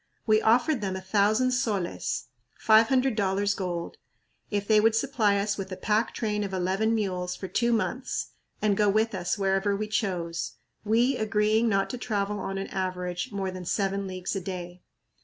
We offered them a thousand soles (five hundred dollars gold) if they would supply us with a pack train of eleven mules for two months and go with us wherever we chose, we agreeing not to travel on an average more than seven leagues a day.